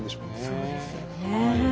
そうですよねえ。